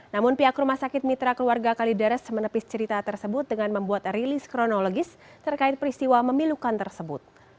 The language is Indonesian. namun pihak rumah sakit mitra keluarga kalideres menepis cerita tersebut dengan membuat rilis kronologis terkait peristiwa memilukan tersebut